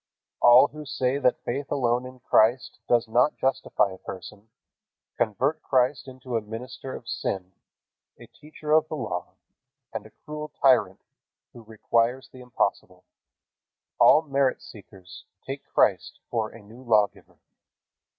All who say that faith alone in Christ does not justify a person, convert Christ into a minister of sin, a teacher of the Law, and a cruel tyrant who requires the impossible. All merit seekers take Christ for a new lawgiver.